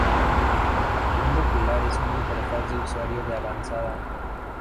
El segundo pilar es una interfaz de usuario de avanzada.